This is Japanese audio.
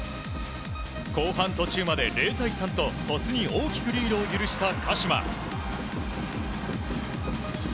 後半途中まで０対３と鳥栖に大きくリードを許した鹿島。